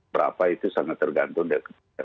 berapa itu sangat tergantung dari